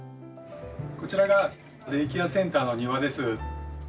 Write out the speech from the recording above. こちらがデイケアセンターの庭です。